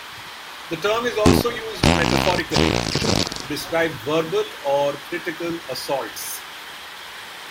The term is also used metaphorically, to describe verbal or critical assaults.